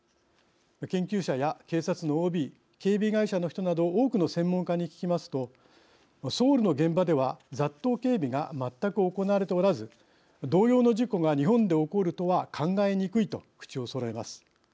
研究者や警察のＯＢ警備会社の人など多くの専門家に聞きますとソウルの現場では雑踏警備が全く行われておらず同様の事故が日本で起こるとは考えにくいと口をそろえます。